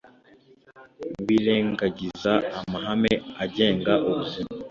Birengagiza amahame agenga ubuzima